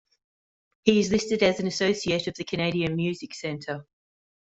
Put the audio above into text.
He is listed as an associate of the Canadian Music Centre.